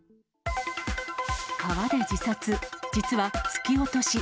川で自殺、実は突き落とし。